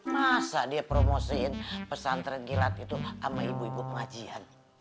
masa dia promosiin pesantren gilat itu sama ibu ibu pengajian